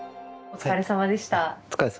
お疲れさまでした。